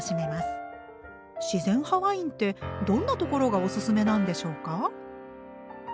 自然派ワインってどんなところがおすすめなんでしょうか？